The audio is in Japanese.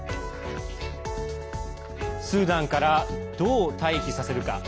スーダンからどう退避させるか。